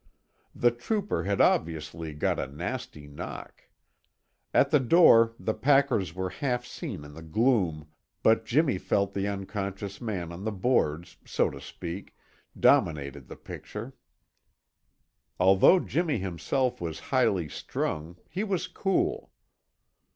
The trooper had obviously got a nasty knock. At the door the packers were half seen in the gloom, but Jimmy felt the unconscious man on the boards, so to speak, dominated the picture. Although Jimmy himself was highly strung he was cool.